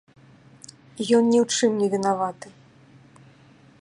Ён ні ў чым невінаваты.